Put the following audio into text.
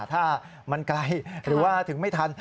ถ้ามันไกลหรือว่าถึงไม่ทัน